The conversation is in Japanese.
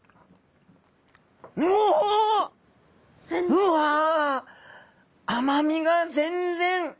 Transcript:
うわ甘みが全然。